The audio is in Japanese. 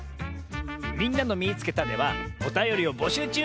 「みんなのみいつけた！」ではおたよりをぼしゅうちゅう！